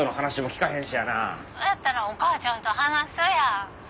そやったらお母ちゃんと話そや。